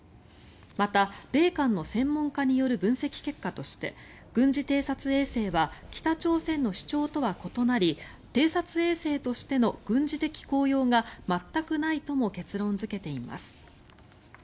また、米韓の専門家による分析結果として軍事偵察衛星は北朝鮮の主張とは異なり偵察衛星としての軍事的効用が全くないとも結論付けています。